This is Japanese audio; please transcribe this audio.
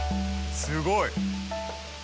すごい。